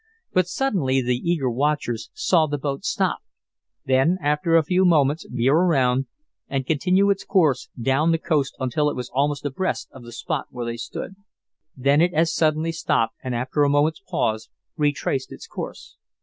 But suddenly the eager watchers saw the boat stop, then after a few moments veer around, and continue its course down the coast until it was almost abreast of the spot where they stood. Then it as suddenly stopped, and after a moment's pause retraced its course.